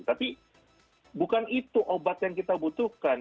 tapi bukan itu obat yang kita butuhkan